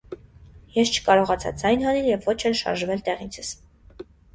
Ես չկարողացա ձայն հանել և ոչ էլ շարժվել տեղիցս: